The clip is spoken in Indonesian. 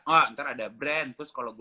oh ntar ada brand terus kalau gue